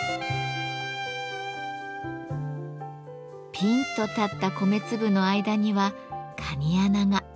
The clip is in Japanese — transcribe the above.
ピンと立った米粒の間には「かに穴」が。